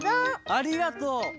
ありがとう！